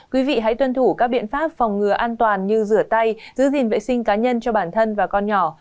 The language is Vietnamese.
quý vị hãy tuân thủ các biện pháp phòng ngừa an toàn như rửa tay giữ gìn vệ sinh cá nhân cho bản thân và con nhỏ